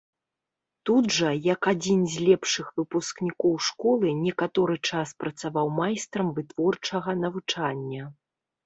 Тут жа, як адзін з лепшых выпускнікоў школы, некаторы час працаваў майстрам вытворчага навучання.